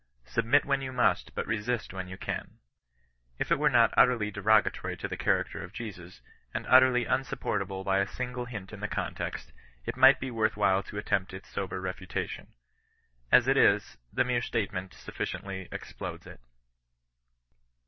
" submit when you mu^, but resist when you cari." If it were not utterly derogatory to the character of Jesus, and utterly unsupported by a single hint in the context, it might be worth while to attempt its sober refutation. As it is, the mere statement sufficiently explodes it.